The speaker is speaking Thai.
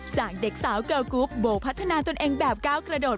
จากเด็กสาวเกิลกรุ๊ปโบพัฒนาตนเองแบบก้าวกระโดด